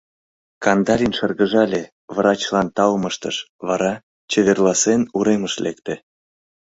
Кандалин шыргыжале, врачлан таум ыштыш, вара, чеверласен, уремыш лекте.